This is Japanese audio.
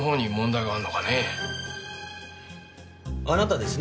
あなたですね？